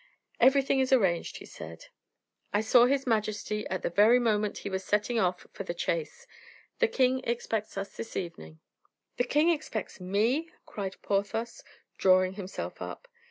"Everything is arranged," he said; "I saw his majesty at the very moment he was setting off for the chase; the king expects us this evening." "The king expects me!" cried Porthos, drawing himself up.